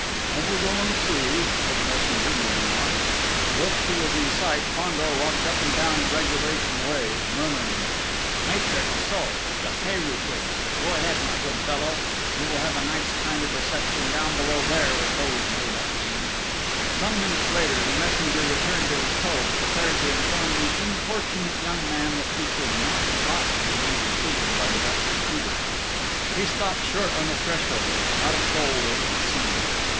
"I will go and see," said the messenger, moving off. Whilst he was in sight Fandor walked up and down in the regulation way, murmuring: "Maître Tissot!... The Peyru case!... Go ahead, my good fellow! You will have a nice kind of reception down below there with those made up names." Some minutes later, the messenger returned to his post, prepared to inform the importunate young man that he could not possibly be received by Justice Hubert. He stopped short on the threshold: not a soul was to be seen!